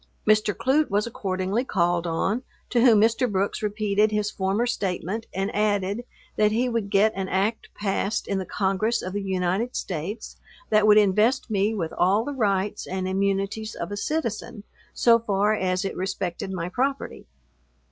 Mr. Clute was accordingly called on, to whom Mr. Brooks repeated his former statement, and added, that he would get an act passed in the Congress of the United States, that would invest me with all the rights and immunities of a citizen, so far as it respected my property.